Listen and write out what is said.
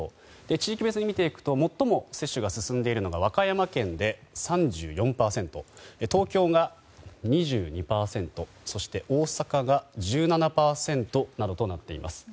地域別に見ていくと最も接種が進んでいるのは和歌山県で３４％東京が２２％そして大阪が１７％などとなっています。